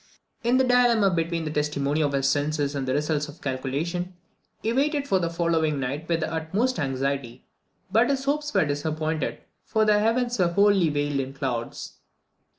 In this dilemma between the testimony of his senses and the results of calculation, he waited for the following night with the utmost anxiety; but his hopes were disappointed, for the heavens were wholly veiled in clouds.